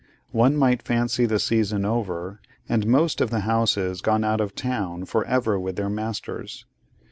One might fancy the season over, and most of the houses gone out of town for ever with their masters.